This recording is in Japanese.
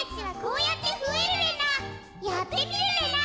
やってみるレナ。